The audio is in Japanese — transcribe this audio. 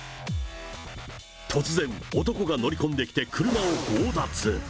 突然、男が乗り込んできて車を強奪。